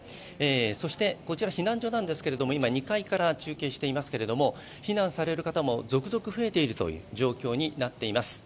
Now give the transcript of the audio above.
そしてこちら、避難所なんですけれども今２階から中継していますけれども、避難される方も続々増えている状況になっています。